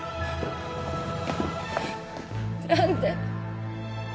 何で？